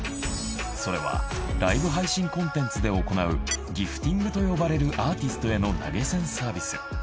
それはライブ配信コンテンツで行うギフティングと呼ばれるアーティストへの投げ銭サービス。